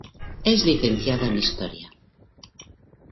Es licenciada en Historia.